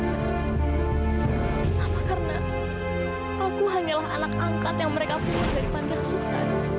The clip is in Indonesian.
apa karena aku hanyalah anak angkat yang mereka pilih dari panti asuhan